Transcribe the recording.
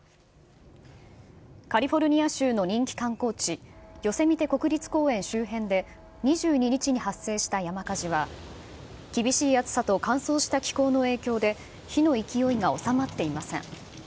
カリフォルニア州の人気観光地、ヨセミテ国立公園周辺で、２２日に発生した山火事は、厳しい暑さと乾燥した気候の影響で、火の勢いが収まっていません。